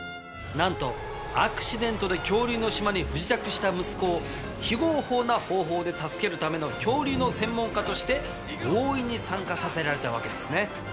なんとアクシデントで恐竜の島に不時着した息子を非合法な方法で助けるための恐竜の専門家として強引に参加させられたわけですね。